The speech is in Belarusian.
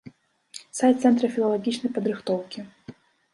Сайт цэнтра філалагічнай падрыхтоўкі.